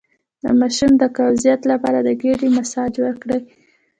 د ماشوم د قبضیت لپاره د ګیډې مساج وکړئ